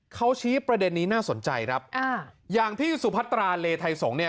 เขาชี้ประเด็นนี้น่าสนใจครับอ่าอย่างพี่สุพัตราเลไทยสงศ์เนี่ย